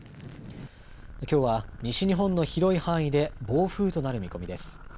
きょうは西日本の広い範囲で暴風となる見込みです。